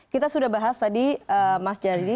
kita sudah bahas tadi mas jari dari kalangan parpol kemudian